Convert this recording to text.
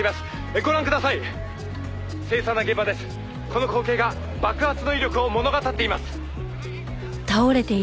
「この光景が爆発の威力を物語っています」